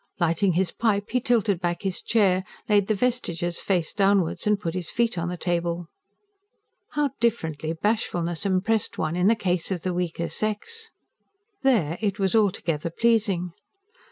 Lighting his pipe, he tilted back his chair, laid the VESTIGES face downwards, and put his feet on the table. How differently bashfulness impressed one in the case of the weaker sex! There, it was altogether pleasing.